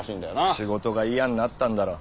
仕事が嫌になったんだろう。